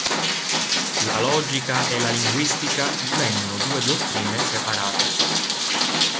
La logica e la linguistica divengono due dottrine separate.